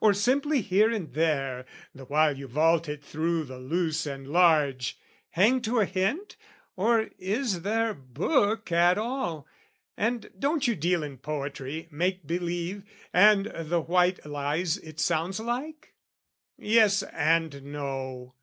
Or simply here and there, "(The while you vault it through the loose and large) "Hang to a hint? Or is there book at all, "And don't you deal in poetry, make believe, "And the white lies it sounds like?" Yes and no!